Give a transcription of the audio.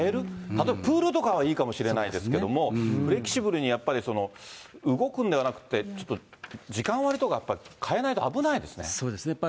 例えばプールとかはいいかもしれないですけれども、フレキシブルにやっぱり動くんではなくて、ちょっと時間割とか変えないと危なそうですね。